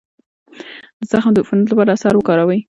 د زخم د عفونت لپاره عسل وکاروئ